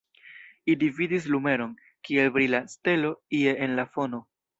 Ili vidis lumeron, kiel brila stelo, ie en la fono.